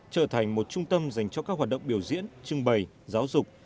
trở thành một trung tâm dành cho các hoạt động biểu diễn trưng bày giáo dục